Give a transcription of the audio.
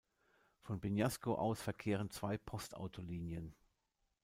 Von Bignasco aus verkehren zwei Postautolinien.